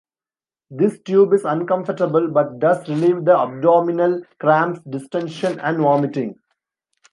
This tube is uncomfortable but does relieve the abdominal cramps, distention, and vomiting.